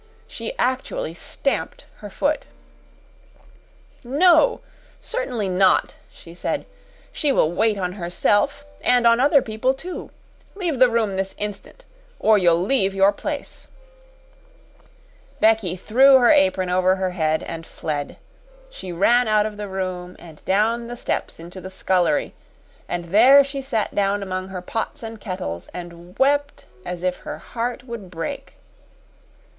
She actually stamped her foot. "No certainly not," she said. "She will wait on herself, and on other people, too. Leave the room this instant, or you'll leave your place." Becky threw her apron over her head and fled. She ran out of the room and down the steps into the scullery, and there she sat down among her pots and kettles, and wept as if her heart would break.